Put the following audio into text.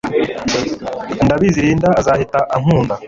ndabizi Linda azahita ankunda